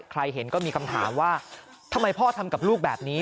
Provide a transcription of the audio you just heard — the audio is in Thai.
ใครเห็นก็มีคำถามว่าทำไมพ่อทำกับลูกแบบนี้